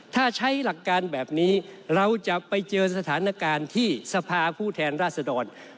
ถ้าใช้หลักการแบบนี้เราจะไปเจอสถานการณ์ที่สภาผู้แทนราชดร